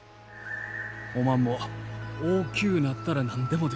おまんも大きゅうなったら何でもできる。